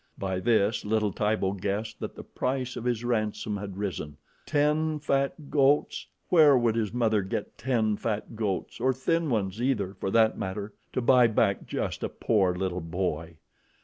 By this little Tibo guessed that the price of his ransom had risen. Ten fat goats? Where would his mother get ten fat goats, or thin ones, either, for that matter, to buy back just a poor little boy?